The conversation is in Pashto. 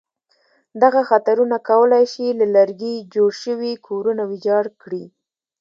دغه خطرونه کولای شي له لرګي جوړ شوي کورونه ویجاړ کړي.